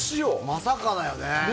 まさかだよね。